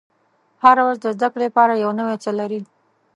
• هره ورځ د زده کړې لپاره یو نوی څه لري.